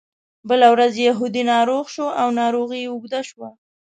بله ورځ یهودي ناروغ شو او ناروغي یې اوږده شوه.